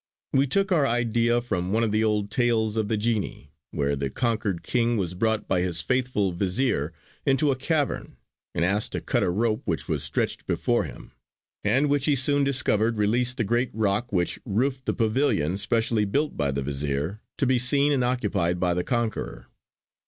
We took our idea from one of the old "Tales of the Genii" where the conquered king was brought by his faithful vizier into a cavern and asked to cut a rope which was stretched before him, and which he soon discovered released the great rock which roofed the pavilion specially built by the vizier to be seen and occupied by the conqueror.